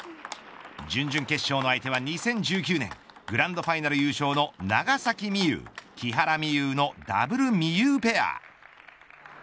準々決勝の相手は２０１９年グランドファイナル優勝の長崎美柚、木原美悠のダブルみゆうペア。